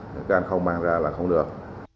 các anh không mang ra là không được